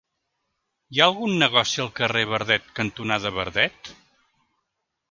Hi ha algun negoci al carrer Verdet cantonada Verdet?